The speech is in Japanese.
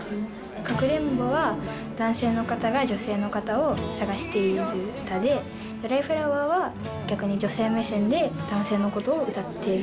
かくれんぼは男性の方が女性の方を探している歌で、ドライフラワーは逆に女性目線で男性のことを歌っている。